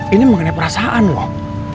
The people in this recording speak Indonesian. ini mengenai perasaan loh